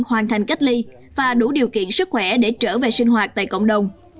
hoàn thành cách ly và đủ điều kiện sức khỏe để trở về sinh hoạt tại cộng đồng